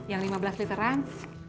yang lima belas literan